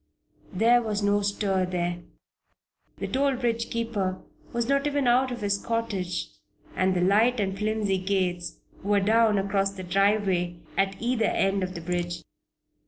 There was no stir there. The toll bridge keeper was not even out of his cottage, and the light and flimsy gates were down across the driveway at either end of the bridge.